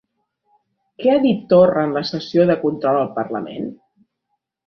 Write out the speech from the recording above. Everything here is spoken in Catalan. Què ha dit Torra en la sessió de control al parlament?